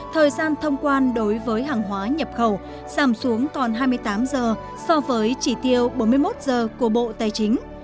thời gian thông quan đối với hàng hóa nhập khẩu giảm xuống còn hai mươi tám giờ so với chỉ tiêu bốn mươi một giờ của bộ tài chính